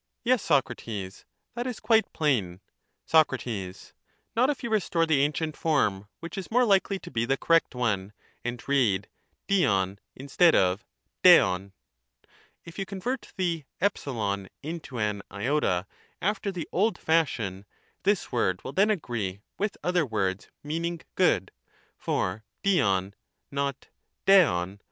Yes, Socrates ; that is quite plain. Soc. Not if you restore the ancient form, which is more likely to be the correct one, and read dihv instead of 8^ov ; if you convert the £ into an t after the old fashion, this word will then agree with other words meaning good ; for 6Lhv, not 6(lOV.